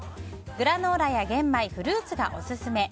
グラノーラや玄米フルーツがオススメ。